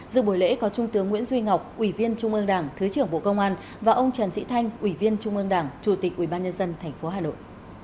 dự buổi lễ có trung tướng nguyễn duy ngọc ủy viên trung ương đảng thứ trưởng bộ công an và ông trần sĩ thanh ủy viên trung ương đảng chủ tịch ủy ban nhân dân tp hà nội